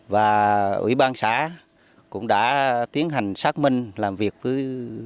và ủy ban xã cũng đã tiến hành xác minh làm việc với